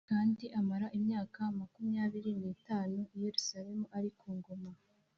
kandi amara imyaka makumyabiri n’itanu i Yerusalemu ari ku ngoma